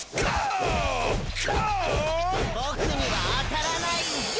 ボクには当たらないよ！